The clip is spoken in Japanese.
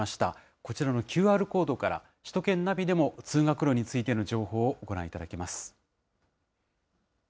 こちらのＱＲコードから、首都圏ナビでも通学路についての情報をご覧いただけます。